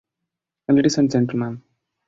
Ladies and gentle man.